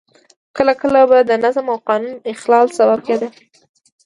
کله کله به د نظم او قانون د اخلال سبب کېده.